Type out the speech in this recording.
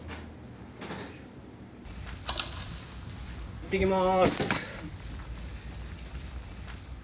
いってきます。